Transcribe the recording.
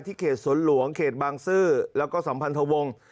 เขตสวนหลวงเขตบางซื่อแล้วก็สัมพันธวงศ์